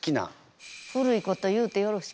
古いこと言うてよろしか？